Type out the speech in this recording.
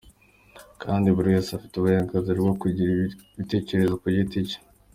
Kandi buri wese afite uburenganzira bwo kugira ibitekerezo bye ku giti cye.